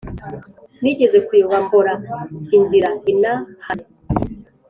Nigeze kuyoba mbora inzira inahana